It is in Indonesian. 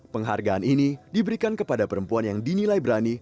penghargaan ini diberikan kepada perempuan yang dinilai berani